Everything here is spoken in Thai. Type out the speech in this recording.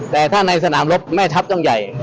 แต่ถ้าในสนามรบแม่ทัพต้องใหญ่